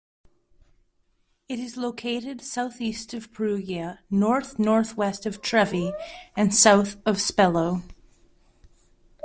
It is located south-east of Perugia, north-north-west of Trevi and south of Spello.